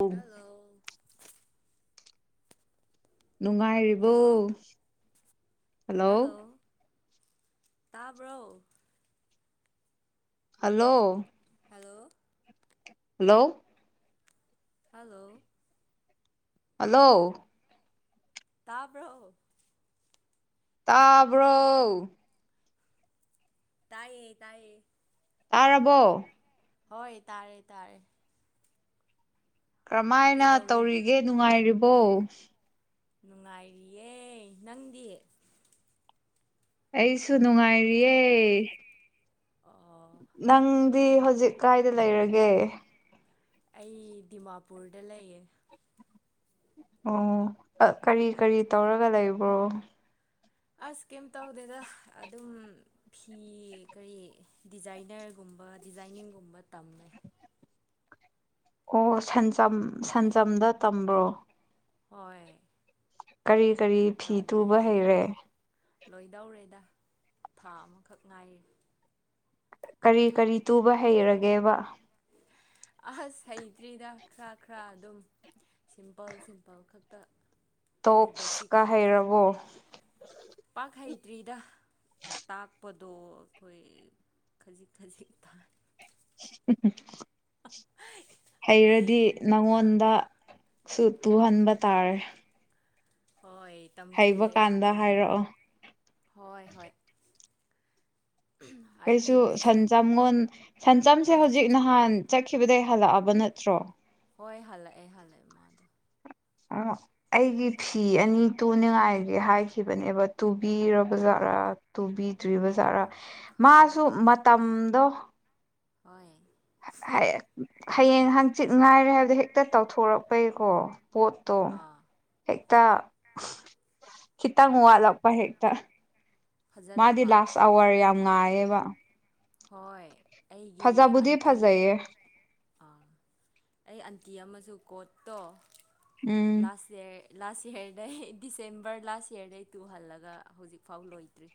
ꯎꯨꯝ hello ꯅꯨꯡꯉꯥꯏꯔꯤꯕꯣ hello hello ꯇꯥꯕ꯭ꯔꯣ hello hello hello hello hello ꯇꯥꯕ꯭ꯔꯣ ꯇꯥꯕ꯭ꯔꯣ ꯇꯥꯏꯌꯦ ꯇꯥꯏꯌꯦ ꯇꯥꯔꯕꯣ ꯍꯣꯏ ꯇꯥꯔꯦ ꯇꯥꯔꯦ ꯀꯔꯝꯥꯏꯅ ꯀꯩꯗꯧꯔꯤꯅꯣ ꯇꯧꯔꯤꯒꯦ ꯅꯨꯡꯉꯥꯏꯔꯤ ꯍ [unintelligible] ꯅꯨꯡꯉꯥꯏꯔꯤꯌꯦ ꯅꯪꯗꯤ ꯑꯩꯁꯨ ꯅꯨꯡꯉꯥꯏꯔꯤꯌꯦ ꯑ ꯅꯪꯗꯤ ꯍꯧꯖꯤꯛ ꯀꯥꯏꯗ ꯂꯩꯔꯒꯦ ꯑꯩ ꯗꯤꯃꯥꯄꯨꯔꯗ ꯂꯩꯌꯦ ꯑꯣ ꯀꯔꯤ ꯀꯔꯤ ꯇꯧꯔꯒ ꯂꯩꯕ꯭ꯔꯣ ꯑꯁ ꯀꯩꯝ ꯇꯧꯗꯦꯗ ꯑꯗꯨꯝ ꯐꯤ ꯀꯔꯤ ꯗꯤꯖꯥꯏꯅꯔꯒꯨꯝꯕ ꯗꯤꯖꯥꯏꯅꯤꯡꯒꯨꯝꯕ ꯇꯝꯃꯦ ꯑꯣ ꯁꯟꯖꯝ ꯁꯟꯖꯝꯗ ꯇꯝꯕ꯭ꯔꯣ ꯍꯣꯏ ꯀꯔꯤ ꯀꯔꯤ ꯑꯩ ꯐꯤ ꯇꯝꯃꯦ ꯇꯨꯕ ꯍꯩꯔꯦ ꯂꯣꯏꯗꯧꯔꯦꯗ ꯊꯥ ꯑꯃꯈꯛ ꯉꯥꯏꯔꯤ ꯀꯔꯤ ꯀꯔꯤ ꯇꯨꯕ ꯍꯩꯔꯒꯦꯕ ꯑꯁ ꯍꯩꯇ꯭ꯔꯤꯗ ꯈꯔ ꯈꯔ ꯑꯗꯨꯝ ꯁꯤꯝꯄꯜ ꯁꯤꯝꯄꯜ ꯈꯛꯇ ꯍꯥꯏꯗꯤ ꯕꯦꯁꯤꯛ ꯇꯣꯞꯁꯀ ꯍꯩꯔꯕꯣ ꯇ꯭ꯔꯤꯗ ꯇꯥꯛꯄꯗꯣ ꯑꯩꯈꯣꯏ ꯈꯖꯤꯛ ꯈꯖꯤꯛ ꯊꯥ ꯎꯝ ꯍꯩꯔꯗꯤ ꯅꯪꯉꯣꯟꯗ ꯁꯨ ꯇꯨꯍꯟꯕ ꯇꯥꯔꯦ ꯍꯣꯏ ꯍꯩꯕ ꯇꯝꯈꯤꯌꯦ ꯑꯩꯁꯨ ꯀꯥꯟꯗ ꯐꯖꯅ ꯍꯥꯏꯔꯛꯑꯣ ꯍꯣꯏ ꯍꯣꯏ ꯑꯩꯗꯤ ꯀꯩꯁꯨ ꯕꯦꯁ ꯁꯟꯆꯝꯒꯣꯟ ꯁꯟꯆꯝꯁꯦ ꯑꯥ ꯍꯧꯖꯤꯛ ꯅꯍꯥꯟ ꯆ ꯈꯤꯕꯗꯒꯤ ꯍꯜꯂꯛꯑꯕ ꯅꯠꯇ꯭ꯔꯣ ꯍꯣꯏ ꯍꯜꯂꯛꯑ ꯍꯜꯂꯛꯑ ꯑꯩꯒꯤ ꯐꯤ ꯑꯅꯤ ꯇꯨꯅꯤꯡꯉꯥꯏꯒꯤ ꯍꯥꯏꯈꯤꯕꯅꯦꯕ ꯇꯨꯕꯤꯔꯕꯖꯥꯔꯥ ꯇꯨꯕꯤꯗ꯭ꯔꯤꯕ ꯖꯥꯔꯥ ꯃꯥꯁꯨ ꯈꯪꯗꯦ ꯃꯇꯝꯗꯣ ꯍꯣꯏ ꯍꯥꯏ ꯍꯌꯦꯡ ꯍꯥꯡꯆꯤꯠ ꯉꯥꯏꯔꯦ ꯍꯥꯏꯕꯗꯣ ꯍꯦꯛꯇ ꯇꯧꯊꯣꯔꯛꯄꯩꯀꯣ ꯄꯣꯠꯇꯣ ꯑꯥ ꯍꯦꯛ ꯨ ꯇ ꯈꯤꯇꯪ ꯀꯩ ꯋꯥꯠꯂꯛꯄ ꯍꯦꯛꯇ ꯃꯥꯗꯤ ꯐꯖꯗꯕ ꯂꯥꯁ ꯑꯋꯥꯔ ꯌꯥꯝ ꯉꯥꯏꯌꯦꯕ ꯍꯣꯏ ꯑꯩꯒꯤ ꯐꯖꯥꯕꯨꯗꯤ ꯑꯟꯇꯤ ꯐꯖꯩ ꯌꯦ ꯑꯥ ꯑꯩ ꯑꯟꯇꯤ ꯑꯃꯁꯨ ꯀꯣꯠꯇꯣ ꯎꯝ ꯂꯥꯁ ꯏꯌꯥꯔ ꯂꯥꯁ ꯏꯌꯥꯔꯗꯩ ꯗꯤꯁꯦꯝꯕꯔ ꯂꯥꯁ ꯏꯌꯥꯔꯗꯩ ꯇꯨꯍꯜꯂꯒ ꯍꯧꯖꯤꯛꯐꯥꯎ ꯂꯣꯏꯗ꯭ꯔꯤ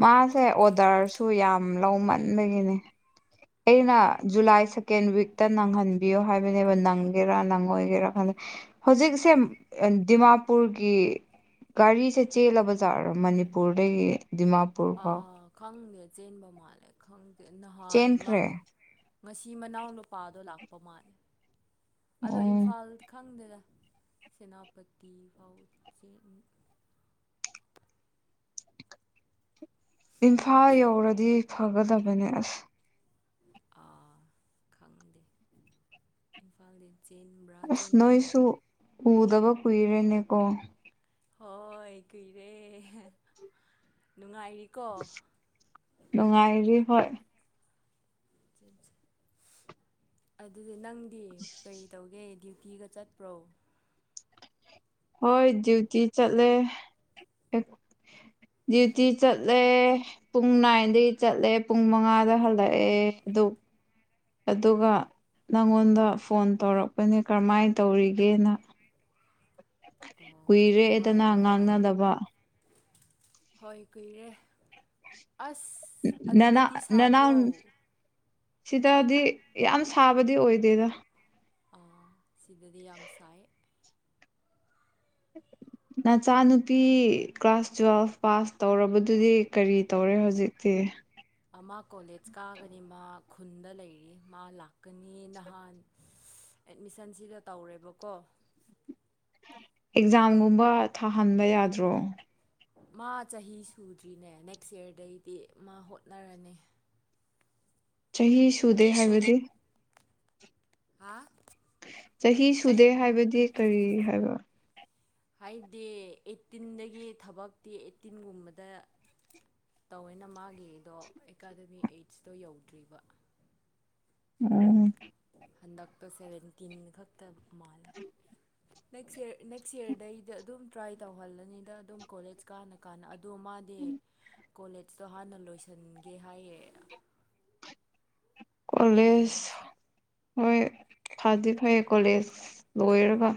ꯃꯥꯁꯦ ꯑꯣꯗꯔꯁꯨ ꯌꯥꯝ ꯂꯧꯃꯟꯕꯒꯤꯅꯦ ꯍꯣꯏ ꯑꯩꯅ ꯖꯨꯂꯥꯏ ꯁꯦꯀꯦꯟ ꯋꯤꯛ ꯈꯤꯇ ꯅꯪꯍꯟꯕꯤꯌꯣ ꯍꯥꯏꯕꯅꯦꯕ ꯅꯪꯒꯦꯔꯥ ꯅꯪꯉꯣꯏꯒꯦꯔꯥ ꯈ ꯍꯧꯖꯤꯛꯁꯦ ꯗꯤꯃꯥꯄꯨꯔꯒꯤ ꯒꯥꯔꯤꯁꯦ ꯆꯦꯜꯂꯕ ꯖꯥꯠꯔꯣ ꯃꯅꯤꯄꯨꯔꯗꯒꯤ ꯗꯤꯃꯥꯄꯨꯔ ꯑ ꯐꯥꯎ ꯈꯪꯗꯦ ꯆꯦꯟꯕ ꯃꯥꯜꯂꯦ ꯈꯪꯗꯦ ꯅꯍꯥꯟ ꯆꯦꯟꯈ꯭ꯔꯦ ꯃꯥꯃ ꯉꯁꯤ ꯃꯅꯥꯎ ꯅꯨꯄꯥꯗꯣ ꯂꯥꯛꯄ ꯃꯥꯜꯂꯦ ꯑꯗꯣ ꯑꯣ ꯏꯝꯐꯥꯜ ꯈꯪꯗꯦꯗ ꯁꯦꯅꯥꯄꯇꯤ ꯐꯥꯎ ꯆꯦ ꯏꯝꯐꯥꯜ ꯌꯧꯔꯗꯤ ꯐꯒꯗꯕꯅꯤ ꯑꯁ ꯑꯥ ꯈꯪꯗꯦ ꯏꯝꯐꯥꯜꯗꯤ ꯆꯦꯟꯕ꯭ꯔꯥ ꯑꯁ ꯆꯦꯟꯗꯕ꯭ꯔꯥ ꯅꯣꯏꯁꯨ ꯎꯗꯕ ꯀꯨꯏꯔꯦꯅꯦꯀꯣ ꯍꯣꯏ ꯀꯨꯏꯔꯦ ꯅꯨꯡꯉꯥꯏꯔꯤ ꯅꯨꯉꯥꯏꯔꯤ ꯍꯣꯏ [inaudible] ꯑꯗꯨ ꯑꯗꯨ ꯅꯪꯗꯤ ꯀꯔꯤ ꯇꯧꯒꯦ ꯐꯤꯒ ꯆꯠꯄ꯭ꯔꯣ ꯍꯣꯏ ꯗ꯭ꯌꯨꯇꯤ ꯆꯠꯂꯦ ꯗ꯭ꯌꯨꯇꯤ ꯆꯠꯂꯦ ꯄꯨꯡ ꯅꯥꯏꯟꯗꯒꯤ ꯆꯠꯂꯦ ꯄꯨꯡ ꯃꯉꯥꯗ ꯍꯜꯂꯛꯑꯦ ꯑꯗꯨ ꯑꯗꯨꯒ ꯅꯪꯉꯣꯟꯗ ꯐꯣꯟ ꯇꯧꯔꯛꯄꯅꯦ ꯀꯔꯝꯍꯥꯏꯅ ꯇꯧꯔꯤꯒꯦꯅ ꯑꯣ ꯀꯨꯏꯔꯦꯗꯅ ꯅꯨꯡꯉꯥꯏꯔꯤ ꯅꯨꯡꯉꯥꯏꯔꯤ ꯉꯥꯡꯅꯗꯕ ꯍꯣꯏ ꯀꯨꯏꯔꯦ ꯑꯁ ꯅꯅꯥ ꯑꯗꯨꯗꯗꯤ ꯅꯅꯥꯎ ꯁꯥꯗ꯭ꯔꯣ ꯁꯤꯗꯗꯤ ꯌꯥꯝ ꯁꯥꯕꯗꯤ ꯑꯣꯏꯗꯦꯗ ꯁꯤꯗꯗꯤ ꯌꯥꯝꯁꯥꯏ ꯅꯆꯥꯅꯨꯄꯤ ꯀ꯭ꯂꯥꯁ ꯇꯨꯋꯦꯜꯐ ꯄꯥꯁ ꯇꯧꯔꯕꯗꯨꯗꯤ ꯀꯔꯤ ꯇꯧꯔꯦ ꯍꯧꯖꯤꯛꯇꯤ ꯑꯃ ꯀꯣꯂꯦꯖ ꯀꯥꯒꯅꯤ ꯃꯥ ꯈꯨꯟꯗ ꯂꯩꯔꯤ ꯃꯥ ꯂꯥꯛꯀꯅꯤ ꯅꯍꯥꯟ ꯑꯦꯠꯃꯤꯁꯟꯁꯤꯗ ꯇꯧꯔꯦꯕꯀꯣ ꯑꯦꯛꯖꯥꯝꯒꯨꯝꯕ ꯊꯥꯍꯟꯕ ꯌꯥꯗ꯭ꯔꯣ ꯃꯥ ꯆꯍꯤ ꯁꯨꯗ꯭ꯔꯤꯅꯦ ꯅꯦꯛꯁ ꯏꯌꯥꯔꯗꯩꯗꯤ ꯃꯥ ꯍꯣꯠꯅꯔꯅꯤ ꯆꯍꯤ ꯁꯨꯗꯦ ꯍꯥꯏꯕꯗꯤ ꯍꯥꯥ ꯆꯍꯤ ꯁꯨꯗꯦ ꯍꯥꯏꯕꯗꯤ ꯀꯔꯤ ꯍꯥꯏꯕ ꯍꯥꯏꯗꯤ ꯑꯩꯠꯇꯤꯟꯗꯒꯤ ꯊꯕꯛꯇꯤ ꯑꯩꯠꯇꯤꯟꯒꯨꯝꯕꯗ ꯇꯧꯋꯦꯅ ꯃꯥꯒꯤꯗꯣ ꯑꯦꯀꯥꯗꯃꯤꯛ ꯑꯩꯠꯁꯇꯣ ꯌꯧꯗ꯭ꯔꯤꯕ ꯎꯝ ꯍꯟꯗꯛꯇꯣ ꯁꯕꯦꯟꯇꯤꯟ ꯈꯛꯇ [inaudible] ꯅꯦꯛꯁꯔ ꯅꯦꯛꯁ ꯌꯔꯗꯩꯗꯤ ꯑꯗꯨꯝ ꯇ꯭ꯔꯥꯏ ꯇꯧꯍꯜꯂꯅꯤꯗ ꯑꯗꯨꯝ ꯀꯣꯂꯦꯖ ꯀꯥꯟꯅ ꯀꯥꯟꯅ ꯗꯣꯃꯥꯗꯤ ꯀꯣꯂꯦꯖꯇꯣ ꯍꯥꯟꯅ ꯂꯣꯏꯁꯟꯒꯦ ꯍꯥꯏꯌꯦ ꯑꯗꯣ ꯌꯦꯡꯉꯁꯦ ꯀꯣꯂꯦꯖ ꯍꯣꯏ ꯐꯗꯤ ꯐꯩ ꯀꯣꯂꯦꯖ ꯂꯣꯏꯔꯒ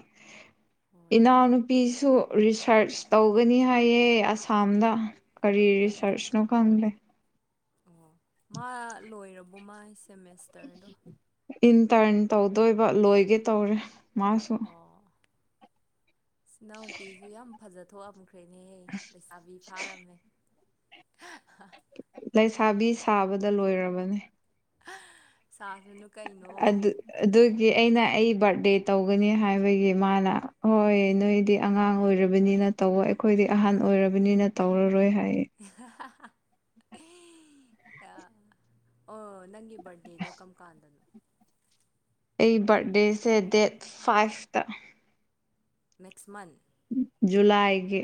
ꯍꯣꯏ ꯏꯅꯥꯎꯅꯨꯄꯤ ꯁꯨ ꯔꯤꯁꯔꯁ ꯇꯧꯒꯅꯤ ꯍꯥꯏꯌꯦ ꯑꯁꯥꯝꯗ ꯀꯔꯤ ꯔꯤꯁꯔꯁꯅꯣ ꯈꯪꯗꯦ ꯑꯣ ꯃꯥ ꯂꯣꯏꯔꯕꯣ ꯃꯥꯥꯏ ꯁꯦꯃꯦꯁꯇꯔꯗꯣ ꯏꯟꯇꯔꯟ ꯇꯧꯗꯣꯏꯕ ꯂꯣꯏꯒꯦ ꯇꯧꯔꯦ ꯃꯥꯁꯨꯝ ꯑꯣ ꯏꯅꯥꯎꯄꯤꯁꯨ ꯌꯥꯝ ꯐꯖꯊꯣꯛ ꯑꯝꯈ꯭ꯔꯦ ꯈꯦꯅꯦꯍ ꯂꯩꯁꯥꯕꯤ ꯐꯥꯔꯝꯃꯦ ꯂꯩꯁꯥꯕꯤ ꯁꯥꯕꯗ ꯂꯣꯏꯔꯕꯅꯦ ꯁꯥꯁꯅꯨ ꯀꯩꯅꯣ ꯑꯗꯨ ꯑꯗꯨꯒꯤ ꯑꯩꯅ ꯑꯩ ꯕꯥꯔꯗꯦ ꯇꯧꯒꯅꯤ ꯍꯥꯏꯕꯒꯤ ꯃꯥꯅ ꯍꯣꯏ ꯅꯣꯏꯗꯤ ꯑꯉꯥꯡ ꯑꯣꯏꯔꯕꯅꯤꯅ ꯇꯧꯕ ꯑꯩꯈꯣꯏꯗꯤ ꯑꯍꯟ ꯑꯣꯏꯔꯕꯅꯤꯅ ꯇꯧꯔꯔꯣꯏ ꯍꯥꯏ ꯑ ꯑ ꯑꯣ ꯅꯪꯒꯤ ꯕꯠꯗꯦꯗꯣ ꯀꯝ ꯀꯥꯟ ꯗꯅꯣ ꯑꯩ ꯕꯥꯔꯗꯦꯁꯦ ꯗꯦꯠ ꯐꯥꯏꯚꯇ ꯃꯦꯛꯁꯃꯟ ꯖꯨꯂꯥꯏꯒꯤ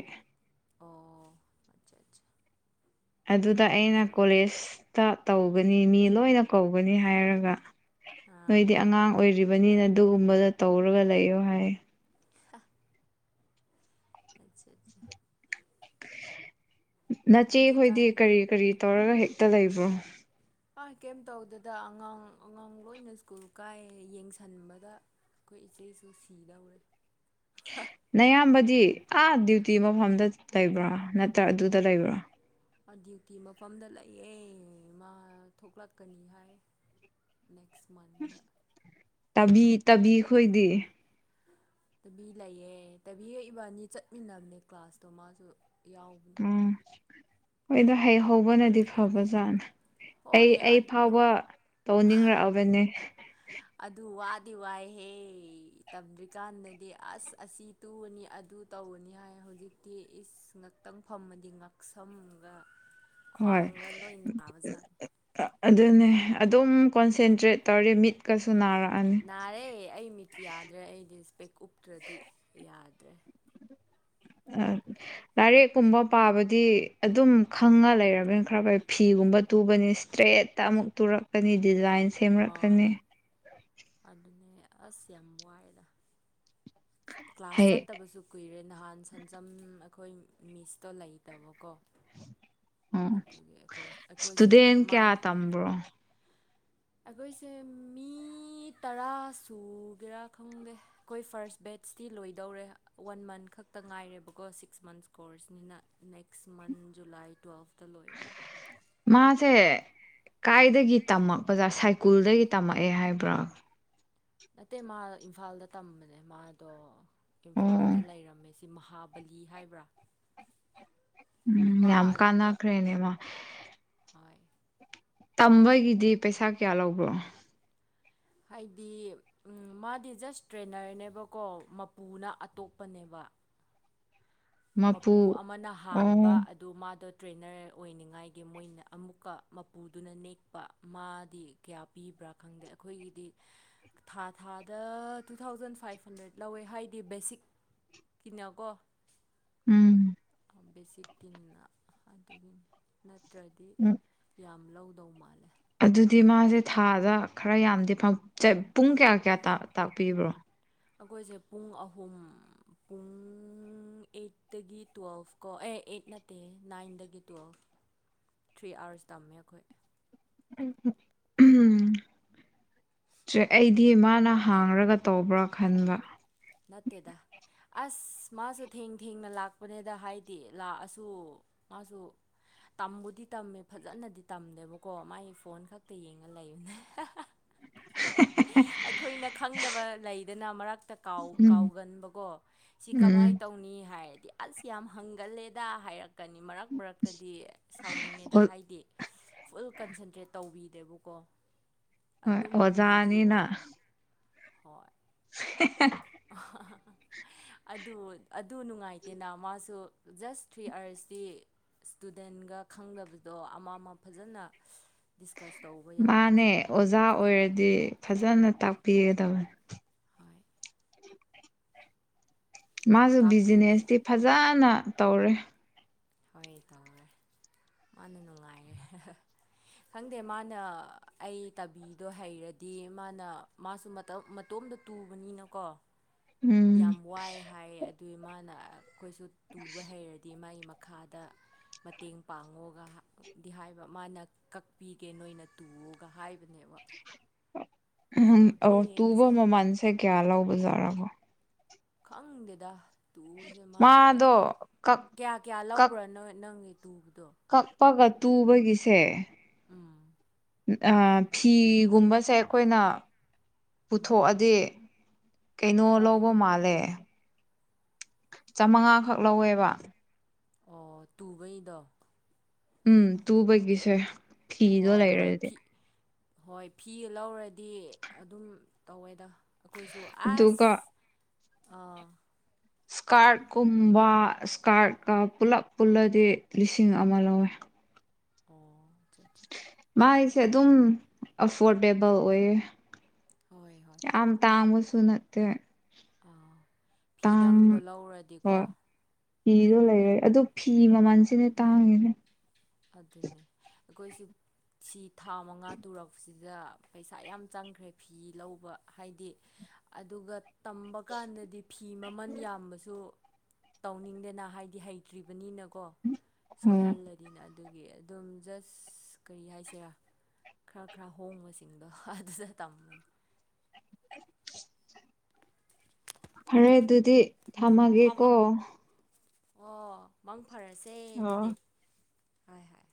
ꯑꯣ ꯑꯆꯥ ꯑꯠꯆꯥ ꯑꯗꯨꯗ ꯑꯩꯅ ꯀꯣꯂꯦꯖꯇ ꯇꯧꯒꯅꯤ ꯃꯤ ꯂꯣꯏꯅ ꯀꯧꯒꯅꯤ ꯍꯥꯏꯔꯒ ꯑꯥ ꯅꯣꯏꯗꯤ ꯑꯉꯥꯡ ꯑꯣꯏꯔꯤꯕꯅꯤꯅ ꯑꯗꯨꯒꯨꯝꯕꯗ ꯇꯧꯔꯒ ꯂꯩꯌꯣ ꯍꯥꯏ ꯑꯆꯥ ꯑꯆꯥ ꯅꯆꯦ ꯍꯣꯏꯗꯤ ꯀꯔꯤ ꯀꯔꯤ ꯇꯧꯔꯒ ꯍꯦꯛ ꯇ ꯂꯩꯕ꯭ꯔꯣ ꯑ ꯀꯩꯝ ꯇꯧꯗꯦꯗ ꯑꯉꯥꯡ ꯑꯉꯥꯡ ꯂꯣꯏꯅ ꯁ꯭ꯀꯨꯜ ꯀꯥꯏ ꯌꯦꯡꯁꯤꯟꯕꯗ ꯑꯩꯈꯣꯏ ꯏꯆꯦꯁꯨ ꯁꯤꯗꯧꯔꯦ ꯅꯌꯥꯝꯕꯗꯤ ꯑꯥ ꯗ꯭ꯌꯨꯇꯤ ꯃꯐꯝꯗ ꯂꯩꯕ꯭ꯔꯥ ꯅꯠꯇ꯭ꯔꯥ ꯑꯗꯨꯗ ꯂꯩꯕ꯭ꯔꯥ ꯗ꯭ꯌꯨꯇꯤ ꯃꯐꯝꯗ ꯂꯩꯑ ꯃꯥ ꯊꯣꯛꯂꯛꯀꯅꯤ ꯍꯥꯏ ꯅꯦꯛꯁ ꯃꯟꯗ ꯇꯕꯤ ꯇꯕꯤꯈꯣꯏꯗꯤ ꯇꯕꯤ ꯂꯩꯑꯦ ꯇꯕꯤꯒ ꯏꯕꯅꯤ ꯆꯠꯃꯤꯟꯅꯕꯅꯦ ꯀ꯭ꯂꯥꯁꯇꯣ ꯃꯥꯁꯨ ꯌꯥꯎꯕꯅꯤ ꯎꯝ ꯍꯣꯏꯗꯣ ꯍꯩ ꯍꯧꯕꯅꯗꯤ ꯐꯕꯖꯥꯠꯅ ꯑꯩ ꯍꯣꯏ ꯑꯩ ꯐꯥꯎꯕ ꯇꯧꯅꯤꯡꯂꯛꯑꯕꯅꯦ ꯗꯤ ꯋꯥꯏꯍꯦ ꯇꯝꯗ꯭ꯔꯤꯀꯥꯟꯗꯗꯤ ꯑꯁ ꯑꯁꯤ ꯇꯨꯕꯅꯤ ꯑꯗꯨ ꯇꯧꯅꯤ ꯍꯥꯏ ꯍꯧꯖꯤꯛꯇꯤ ꯏꯁ ꯉꯥꯛꯇꯪ ꯐꯝꯃꯗꯤ ꯉꯥꯛꯁꯝꯒ ꯍꯣꯏ ꯑꯗꯨꯅꯦ ꯑꯗꯨꯝ ꯀꯣꯟꯁꯦꯟꯇ꯭ꯔꯦꯠ ꯇꯧꯔꯦ ꯃꯤꯠꯀꯁꯨ ꯅꯥꯔꯛꯑꯅꯤ ꯅꯥꯔꯦ ꯑꯩ ꯃꯤꯠ ꯌꯥꯗ꯭ꯔꯦ ꯑꯩꯗꯤꯁꯄꯦꯛ ꯎꯞꯇ꯭ꯔꯗꯤ ꯌꯥꯗ꯭ꯔꯦ ꯇ꯭ꯔꯦ ꯂꯥꯏꯔꯤꯛꯀꯨꯝꯕ ꯄꯥꯕꯗꯤ ꯑꯗꯨꯝ ꯈꯪꯉ ꯂꯩꯔꯕꯅꯤꯅ ꯈꯔ ꯐꯩ ꯐꯤꯒꯨꯝꯕ ꯇꯨꯕꯅꯤ ꯏꯁꯇ꯭ꯔꯦꯠꯇ ꯑꯃꯨꯛ ꯇꯨꯔꯛꯀꯅꯤ ꯗꯤꯖꯥꯏꯟ ꯍꯣꯏ ꯁꯦꯝꯔꯛꯀꯅꯤ ꯑꯗꯨꯅꯦ ꯑꯁ ꯌꯥꯝ ꯋꯥꯏꯗ ꯀ꯭ꯂꯥꯁ ꯍꯩ ꯆꯠꯇꯕꯁꯨ ꯀꯨꯏꯔꯦ ꯅꯍꯥꯟ ꯁꯦꯟꯖꯝ ꯑꯩꯈꯣꯏ ꯃꯤꯁꯇꯣ ꯂꯩꯇꯕꯀꯣ ꯑꯣ ꯑꯗꯨꯒꯤ ꯑꯩꯈꯣꯏ ꯑꯩꯈꯣꯏꯁꯨ ꯏꯁꯇꯨꯗꯦꯟ ꯃꯥ ꯀꯌꯥ ꯇꯝꯕ꯭ꯔꯣ ꯑꯩꯈꯣꯏꯁꯦ ꯃꯤ ꯇꯔꯥ ꯁꯨꯒꯦꯔꯥ ꯈꯪꯗꯦ ꯑꯩꯈꯣꯏ ꯐꯥꯔꯁ ꯕꯦꯠꯁꯇꯤ ꯂꯣꯏꯗꯧꯔꯦ ꯋꯥꯟ ꯃꯟꯠ ꯈꯛꯇ ꯉꯥꯏꯔꯦꯕꯀꯣ ꯁꯤꯛꯁ ꯃꯟꯁ ꯀꯣꯔꯁꯅꯤꯅ ꯅꯦꯛꯁ ꯃꯟꯠ ꯖꯨꯂꯥꯏ ꯇꯨꯋꯦꯜꯐꯇ ꯂꯣꯏꯔꯦ ꯃꯥꯁꯦ ꯀꯥꯏꯗꯒꯤ ꯇꯝꯃꯛꯄꯗꯥ ꯁꯥꯏꯀꯨꯜꯗꯒꯤ ꯇꯝꯃꯛꯑꯦ ꯍꯥꯏꯕ꯭ꯔꯥ ꯅꯠꯇꯦ ꯃꯥ ꯏꯝꯐꯥꯜꯗ ꯇꯝꯕꯅꯦ ꯃꯥꯗꯣ ꯑꯣ ꯏꯝꯐꯥꯜꯗ ꯂꯩꯔꯝꯃꯤꯁꯦ ꯁꯤ ꯃꯍꯥꯕꯂꯤ ꯍꯥꯏꯕ꯭ꯔꯥ ꯎꯝ ꯃꯥ ꯌꯥꯝꯝ ꯑꯗꯨꯗ ꯀꯥꯟꯅꯈ꯭ꯔꯦꯅꯦꯃ ꯍꯣꯏ ꯇꯝꯕꯒꯤꯗꯤ ꯄꯩꯁꯥ ꯀꯌꯥ ꯂꯧꯕ꯭ꯔꯣ ꯍꯥꯏꯗꯤ ꯃꯥꯗꯤ ꯖꯁ ꯇ꯭ꯔꯦꯅꯔꯅꯦꯕꯀꯣ ꯃꯄꯨꯅ ꯑꯇꯣꯞꯄꯅꯦꯕ ꯃꯄꯨ ꯑꯃꯅ ꯑꯣ ꯍꯥꯡꯕ ꯑꯗꯨ ꯃꯥꯗꯣ ꯇ꯭ꯔꯦꯅꯔ ꯑꯣꯏꯅꯤꯡꯉꯥꯏꯒꯤ ꯃꯣꯏꯅ ꯑꯃꯨꯛ ꯎꯝ ꯕꯦꯁꯤꯛꯀꯤꯅꯤꯅ ꯑꯗꯨꯒꯤ ꯇ꯭ꯔꯗꯤ ꯎꯝ ꯌꯥꯝ ꯂꯧꯗꯧ ꯃꯥꯜꯂꯦ ꯑꯗꯨꯗꯤ ꯃꯥꯁꯦ ꯊꯥꯗ ꯈꯔ ꯌꯥꯝꯗꯤ ꯄꯨꯡ ꯀꯌꯥ ꯀꯌꯥ ꯇꯥꯛꯄꯤꯕ꯭ꯔꯣ ꯑꯩꯈꯣꯏꯁꯦ ꯄꯨꯡ ꯑꯍꯨꯝ ꯄꯨꯡ ꯑꯩꯠꯇꯒꯤ ꯇ꯭ꯋꯦꯜꯐ ꯎꯝ ꯑꯩꯗꯤ ꯃꯥꯅ ꯍꯥꯡꯔꯒ ꯇꯧꯕ꯭ꯔꯥ ꯈꯟꯕ ꯅꯠꯇꯦꯗ ꯑꯁ ꯃꯥꯁꯨ ꯊꯦꯡ ꯊꯦꯡꯅ ꯂꯥꯛꯄꯅꯦꯗ ꯍꯥꯏꯗꯤ ꯂꯥꯛꯑꯁꯨ ꯃꯥꯁꯨ ꯇꯝꯕꯨꯗꯤ ꯇꯝꯃꯦ ꯐꯖꯅꯗꯤ ꯇꯝꯗꯦꯕꯀꯣ ꯃꯥꯒꯤ ꯐꯣꯟ ꯈꯛꯇ ꯌꯦꯡꯉ ꯂꯩꯕꯅꯦ ꯑꯩꯈꯣꯏꯅ ꯈꯪꯗꯕ ꯂꯩꯗꯅ ꯃꯔꯛ ꯀꯥꯎ ꯎꯝ ꯀꯥꯎꯒꯟꯕꯀꯣ ꯁꯤ ꯎꯝ ꯀꯃꯥꯏꯅ ꯇꯧꯅꯤ ꯍꯥꯏꯔꯗꯤ ꯑꯁ ꯌꯥꯝ ꯍꯪꯒꯜꯂꯦꯗ ꯍꯥꯏꯔꯛ ꯀꯅꯤ ꯃꯔꯛ ꯃꯔꯛꯇꯗꯤ ꯁꯥꯎꯅꯤꯡꯉꯦꯗ ꯑꯣ- ꯍꯥꯏꯗꯤ ꯐꯨꯜ ꯀꯟꯁꯦꯟꯇ꯭ꯔꯦꯠ ꯇꯧꯕꯤ ꯗꯦꯕꯀꯣ ꯍꯣꯏ ꯑꯣꯖꯥ ꯑꯅꯤ ꯅꯥ ꯍꯣꯏ [inaudible] ꯑꯗꯨ ꯑꯗꯨ ꯅꯨꯡꯉꯥꯏꯇꯦꯅ ꯃꯥꯁꯨ ꯖꯁ ꯊ꯭ꯔꯤ ꯑꯥꯔꯁꯇꯤ ꯏꯁꯇꯨꯗꯦꯟꯒ ꯈꯪꯗꯕꯗꯣ ꯑꯃ ꯑꯃ ꯐꯖꯅ ꯗꯤꯁꯀꯁ ꯇꯧꯕ ꯃꯥꯅꯦ ꯌꯥꯕꯅꯦꯕꯀꯣ ꯑꯣꯖꯥ ꯑꯣꯏꯔꯗꯤ ꯐꯖꯅ ꯇꯥꯛꯄꯤꯒꯗꯕꯅꯤ ꯍꯣꯏ [inaudible] ꯃꯥꯁꯨ ꯇꯥꯛꯄꯨꯗꯦ ꯕꯤꯖꯤꯅꯦꯁꯇꯤ ꯐꯖꯅ ꯇꯧꯔꯦ ꯍꯣꯏ ꯇꯧꯔꯦ ꯃꯥꯅ ꯅꯨꯡꯉꯥꯏꯔꯦ ꯈꯪꯗꯦ ꯃꯥꯅ ꯑꯩ ꯇꯕꯤꯗꯣ ꯍꯩꯔꯗꯤ ꯃꯥꯅ ꯃꯥꯁꯨ ꯃꯇꯣꯝꯗ ꯇꯨꯕꯅꯤꯅꯀꯣ ꯎꯝ ꯌꯥꯝ ꯋꯥꯏ ꯍꯥꯏ ꯑꯗꯨꯏ ꯃꯥꯅ꯫ ꯑꯩꯈꯣꯏꯁꯨ꯫ ꯇꯨꯕ ꯍꯩꯔꯗꯤ ꯃꯥꯏ꯫ ꯈꯥꯗ ꯃꯇꯦꯡ ꯄꯥꯡꯉꯣꯒꯗꯤ ꯍꯥꯏꯕ ꯃꯥꯅ ꯀꯛꯄꯤꯒꯦ ꯅꯣꯏꯅ ꯇꯨꯑꯣꯒ ꯍꯥꯏꯕ꯫ ꯑꯗꯨꯅꯦꯕ꯫ ꯎꯝ ꯑꯣ ꯇꯨꯕ ꯃꯃꯟꯁꯦ ꯀꯌꯥ ꯂꯧꯕꯖꯥꯔꯀꯣ꯫ ꯈꯪꯗꯦꯗ꯫ ꯇꯨꯕꯁꯦ ꯃꯥꯗꯤ ꯃꯥꯗꯣ ꯀꯛ ꯀꯌꯥ ꯀꯌꯥ ꯀꯛ ꯂꯧꯕ꯭ꯔꯣ ꯅꯪꯒꯤ ꯇꯨꯕꯗꯣ ꯀꯛꯄꯒ꯫ ꯇꯨꯕꯒꯤꯁꯦ꯫ ꯎꯝ꯫ ꯑ ꯐꯤꯒꯨꯝꯕꯁꯦ ꯑꯩꯈꯣꯏꯅ꯫ ꯄꯨꯊꯣꯛꯑꯗꯤ꯫ ꯀꯩꯅꯣ ꯍꯣꯏ ꯂꯧꯕ ꯃꯥꯜꯂꯦ꯫ ꯆꯝꯃꯉꯥ ꯈꯛ ꯂꯧꯋꯦꯕ꯫ ꯑꯣ ꯇꯨꯕꯩꯗꯣ꯫ ꯎꯝ ꯇꯨꯕꯒꯤꯁꯦ꯫ ꯐꯤꯗꯣ ꯍꯣꯏ ꯍꯣꯏ ꯂꯩꯔꯗ꯫ ꯐꯤ ꯍꯣꯏ ꯐꯤ ꯂꯧꯔꯗꯤ ꯑꯗꯨꯝ ꯇꯧꯋꯦꯗ꯫ ꯑꯩꯈꯣꯏꯁꯨ ꯑꯁ꯫ ꯑꯗꯨꯒ ꯑꯥ꯫ ꯏꯁꯀꯥꯔꯠꯀꯨꯝꯕ ꯏꯁꯀꯥꯔꯠꯀ ꯄꯨꯂꯞ ꯄꯨꯜꯂꯗꯤ ꯂꯤꯁꯤꯡ ꯑꯃ ꯂꯧꯋꯦ꯫ ꯑꯣ [unintelligible] ꯃꯥꯏꯁꯦ ꯑꯗꯨꯝ ꯑꯐꯣꯔꯗꯦꯕꯜ ꯑꯣꯏꯌꯦ꯫ ꯍꯣꯏ ꯍꯣꯏ ꯌꯥꯝ ꯇꯥꯡꯕꯁꯨ ꯁꯨꯅꯠꯇꯦ꯫ ꯑꯥ꯫ ꯐꯤꯗꯪꯗꯣ ꯂꯧꯔꯗꯤꯀꯣ꯫ ꯍꯣꯏ ꯐꯤꯗꯣ ꯂꯩꯔꯦ ꯑꯗꯨ ꯐꯤ ꯃꯃꯜꯁꯤꯅꯦ ꯇꯥꯡꯉꯤꯁꯦ꯫ ꯑꯗꯨꯅꯦ ꯑꯩꯈꯣꯏꯁꯨ ꯁꯤ ꯊꯥ ꯃꯉꯥ ꯇꯨꯔꯛꯁꯤꯗ ꯄꯩꯁꯥ ꯌꯥꯝ ꯆꯪꯈ꯭ꯔꯦ ꯐꯤ ꯂꯧꯕ ꯍꯥꯏꯗꯤ ꯑꯗꯨꯒ꯫ ꯇꯝꯕ ꯀꯥꯟꯗꯗꯤ ꯐꯤ ꯃꯃꯜ ꯌꯥꯝꯕꯁꯨ꯫ ꯇꯧꯅꯤꯡꯗꯦꯅ ꯍꯥꯏꯗꯤ ꯍꯩꯇ꯭ꯔꯤꯕꯅꯤꯅ꯫ ꯀꯣ ꯍꯣꯏ ꯁꯣꯏꯍꯜꯂꯗꯤꯅ꯫ ꯑꯗꯨꯒꯤ ꯑꯗꯨꯝ ꯖꯁ ꯀꯔꯤ ꯍꯥꯏꯁꯤꯔꯥ ꯈꯔ ꯈꯔ ꯍꯣꯡꯕꯁꯤꯡꯗꯣ ꯑꯗꯨꯗ ꯇꯝꯕꯅꯤ꯫ [inaudible] ꯐꯔꯦ ꯑꯗꯨꯗꯤ꯫ ꯊꯝꯃꯒꯦ ꯊꯝꯃꯣ ꯀꯣ ꯑꯣ ꯃꯪ ꯐꯔꯁꯦ ꯑꯗꯨꯗꯤ ꯍꯣꯏ ꯍꯣꯏ